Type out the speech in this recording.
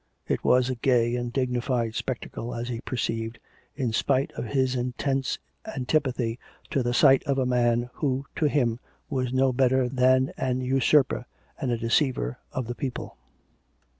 It was a gay and dignified spectacle as he per ceived, in spite of his intense antipathy to the sight of a man who, to him, was no better than an usurper and a de ceiver of the people.